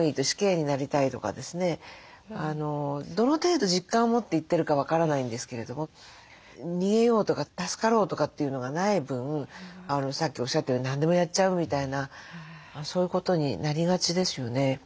どの程度実感を持って言ってるか分からないんですけれども逃げようとか助かろうとかっていうのがない分さっきおっしゃったように何でもやっちゃうみたいなそういうことになりがちですよね。